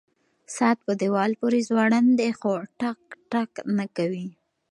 ساعت په دیوال پورې ځوړند دی خو ټک ټک نه کوي.